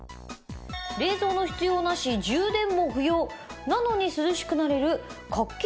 「冷蔵の必要なし充電も不要なのに涼しくなれる画期的商品です」。